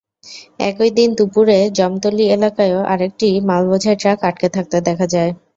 একই দিন দুপুরে জমতলী এলাকায়ও আরেকটি মালবোঝাই ট্রাক আটকে থাকতে দেখা যায়।